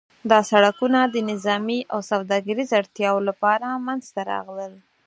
دا سړکونه د نظامي او سوداګریز اړتیاوو لپاره منځته راغلل.